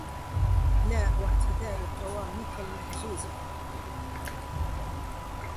لا واعتدال قوامك المهزوز